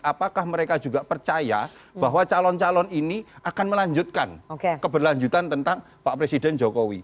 apakah mereka juga percaya bahwa calon calon ini akan melanjutkan keberlanjutan tentang pak presiden jokowi